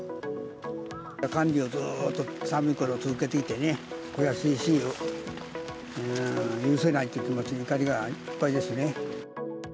管理をずっと、寒いころ続けていてね、悔しいし、許せないっていう気持ちで、怒りがいっぱいですね。